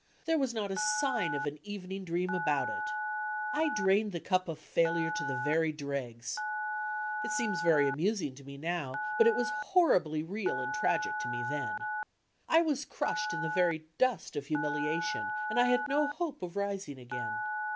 There was not a sign of an evening dream about it! I drained the cup of failure to the very dregs. It seems very amusing to me now, but it was horribly real and tragic to me then. I was crushed in the very dust of humiliation and I had no hope of rising again.